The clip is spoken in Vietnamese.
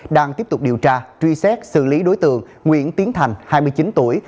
đang tiếp tục điều tra truy xét xử lý đối tượng nguyễn tiến thành hai mươi chín tuổi